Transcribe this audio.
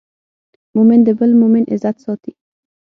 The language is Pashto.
مؤمن د بل مؤمن عزت ساتي.